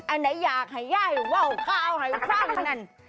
อันไหนอยากให้ยายว่าวก้าวให้ฟังนั่น